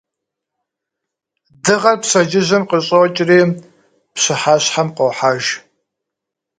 Дыгъэр пщэдджыжьым къыщӀокӀри пщыхьэщхьэм къуохьэж.